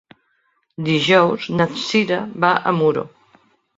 Dijous na Cira va a Muro.